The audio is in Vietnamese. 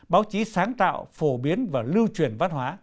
báo chí sáng tạo phổ biến và lưu truyền văn hóa